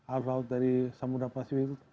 al laut dari samudera pasir itu